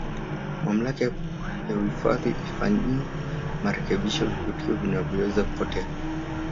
mamlaka ya uhifadhi ifanyie marekebisho vivutio vinavyoweza kupotea